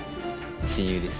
親友です。